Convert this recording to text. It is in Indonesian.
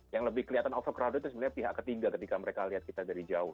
yang lebih kelihatan overcrowded itu sebenarnya pihak ketiga ketika mereka lihat kita dari jauh